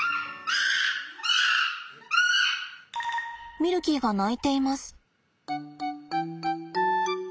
ミルキーが鳴いています。